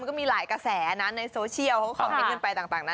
มันก็มีหลายกระแสนะในโซเชียล